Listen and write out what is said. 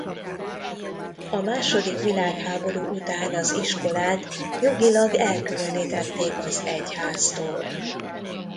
A második világháború után az iskolát jogilag elkülönítették az egyháztól.